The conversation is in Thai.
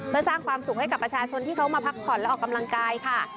เพื่อสร้างความสุขให้กับประชาชนที่เขามาพักผ่อนและออกกำลังกายค่ะ